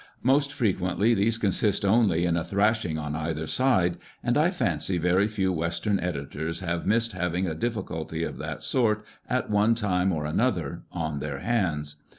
Most frequently these consist only in a thrashing on either side, and I fancy very few western editors have missed having a difficulty of that sort at one time or another on their hands.